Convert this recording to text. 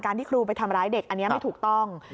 ที่ครูไปทำร้ายเด็กอันนี้ไม่ถูกต้อง